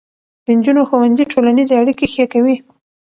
د نجونو ښوونځي ټولنیزې اړیکې ښې کوي.